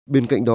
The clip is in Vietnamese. bên cạnh đó